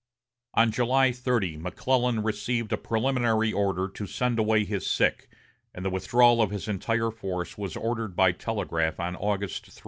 On July 30, McClellan received a preliminary order to send away his sick, and the withdrawal of his entire force was ordered by telegraph on August 3.